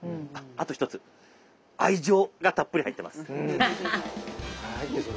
あと一つ愛情がたっぷり入ってます。